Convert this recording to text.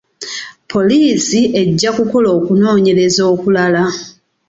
Poliisi ejja kukola okunoonyereza okulala.